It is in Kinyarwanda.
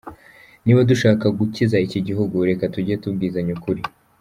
Niba dushaka gukiza iki gihugu reka tujye tubwizanya ukuri.